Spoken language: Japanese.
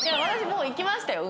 もう行きましたよ。